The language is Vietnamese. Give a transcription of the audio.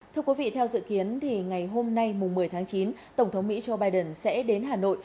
thưa quý vị theo dự kiến thì ngày hôm nay một mươi tháng chín tổng thống mỹ joe biden sẽ đến hà nội